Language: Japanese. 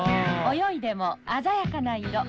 泳いでも鮮やかな色。